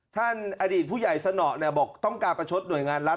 อดีตผู้ใหญ่สนอบอกต้องการประชดหน่วยงานรัฐ